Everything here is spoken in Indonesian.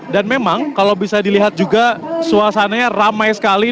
memang kalau bisa dilihat juga suasananya ramai sekali